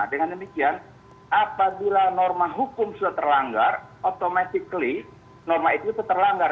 dengan demikian apabila norma hukum sudah terlanggar otomatis norma itu terlanggar